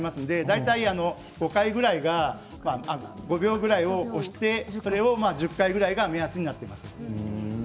大体５秒ぐらい押してそれを１０回ぐらいが目安になります。